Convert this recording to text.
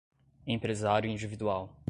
empresário individual